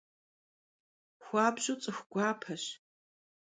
Xuabju ts'ıxu guapeş.